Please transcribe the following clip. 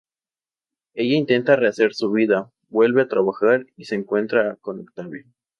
Ella intenta rehacer su vida, vuelve a trabajar y se reencuentra con Octavio.